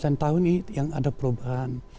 dan tahun ini yang ada perubahan